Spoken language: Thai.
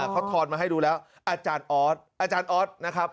เขาทอนมาให้ดูแล้วอาจารย์ออสอาจารย์ออสนะครับ